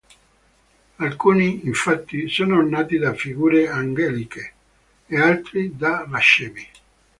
Alcuni, infatti, sono ornati da figure angeliche e altri da racemi.